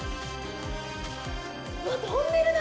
わっ、トンネルだ。